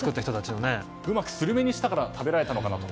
うまくスルメにしたから食べられたのかなと。